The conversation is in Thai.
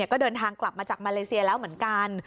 ก็เดินทางกลับมาจากมาเลเซียแล้วเหมือนกัน